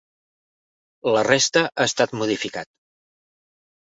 La resta ha estat modificat.